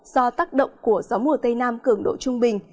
do tác động của gió mùa tây nam cường độ trung bình